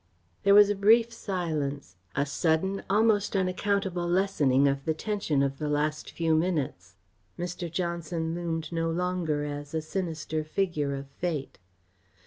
There was a brief silence; a sudden, almost unaccountable lessening of the tension of the last few minutes. Mr. Johnson loomed no longer as a sinister figure of fate.